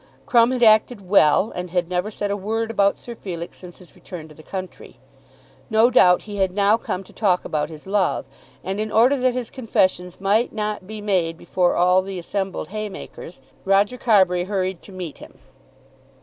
Crumb had acted well, and had never said a word about Sir Felix since his return to the country. No doubt he had now come to talk about his love, and in order that his confessions might not be made before all the assembled haymakers, Roger Carbury hurried to meet him.